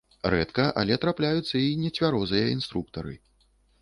Рэдка, але трапляюцца і нецвярозыя інструктары.